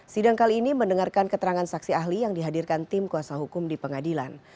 sidang kali ini mendengarkan keterangan saksi ahli yang dihadirkan tim kuasa hukum di pengadilan